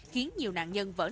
khiến nhiều nạn nhân bị bắt đầu